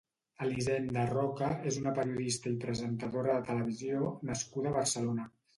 Elisenda Roca és una periodista i presentadora de televisió nascuda a Barcelona.